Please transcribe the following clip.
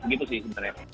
begitu sih sebenernya